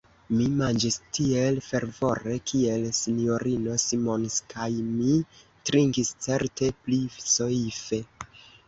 Mi manĝis tiel fervore, kiel S-ino Simons, kaj mi trinkis certe pli soife.